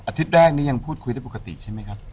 อาทิตย์แรกนี้ยังพูดคุยได้ปกติใช่มั้ยครับ